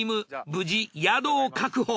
無事宿を確保。